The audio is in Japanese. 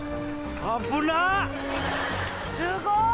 すごい！